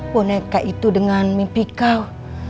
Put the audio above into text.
boneka itu dengan mimpi kau